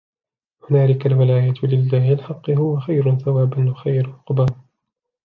هُنَالِكَ الْوَلَايَةُ لِلَّهِ الْحَقِّ هُوَ خَيْرٌ ثَوَابًا وَخَيْرٌ عُقْبًا